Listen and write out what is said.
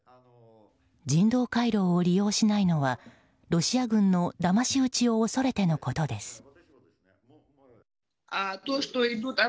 人道回廊を利用しないのはロシア軍のだまし討ちを恐れてのことです。